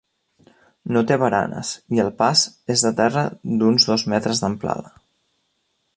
No té baranes i el pas és de terra d'uns dos metres d'amplada.